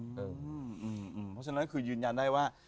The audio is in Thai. เพราะฉะนั้นคือยืนยันได้ว่า